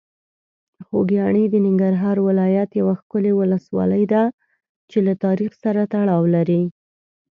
خوږیاڼي د ننګرهار ولایت یوه ښکلي ولسوالۍ ده چې له تاریخ سره تړاو لري.